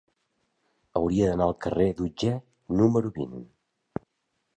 Hauria d'anar al carrer d'Otger número vint.